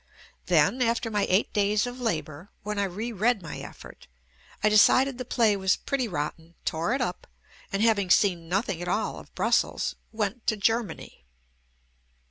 Then, after my eight days of labor, when I re read my effort, I decided the play was pretty rot ten, tore it up, and, having seen nothing at all of Brussels, went to Germany.